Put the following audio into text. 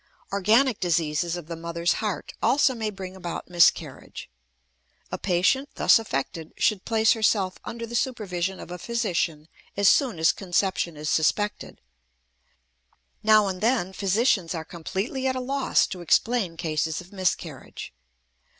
Organic diseases of the mother's heart also may bring about miscarriage. A patient thus affected should place herself under the supervision of a physician as soon as conception is suspected. Now and then physicians are completely at a loss to explain cases of miscarriage.